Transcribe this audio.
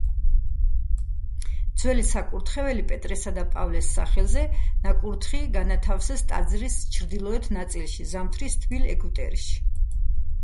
ძველი საკურთხეველი პეტრესა და პავლეს სახელზე ნაკურთხი განათავსეს ტაძრის ჩრდილოეთ ნაწილში, ზამთრის თბილ ეგვტერში.